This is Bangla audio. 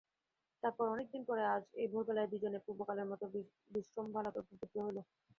তার পর অনেক দিন পরে আজ এই ভোরবেলায় দুইজনে পূর্বকালের মতো বিশ্রম্ভালাপে প্রবৃত্ত হইল।